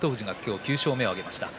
富士は今日９勝目を挙げました。